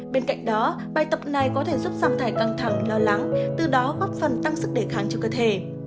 bên cạnh đó bài tập này có thể giúp giảm thải căng thẳng lo lắng từ đó góp phần tăng sức đề kháng cho cơ thể